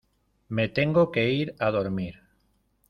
me tengo que ir a dormir.